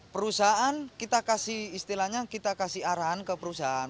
perusahaan kita kasih istilahnya kita kasih arahan ke perusahaan